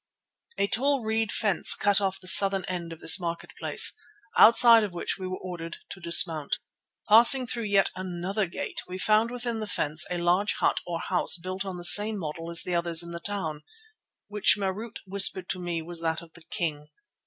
A tall reed fence cut off the southern end of this marketplace, outside of which we were ordered to dismount. Passing through yet another gate we found within the fence a large hut or house built on the same model as the others in the town, which Marût whispered to me was that of the king.